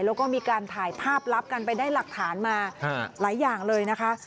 แล้วก็มีการถ่ายภาพลับกันไปได้หลักฐานมาหลายอย่างเลยนะคะ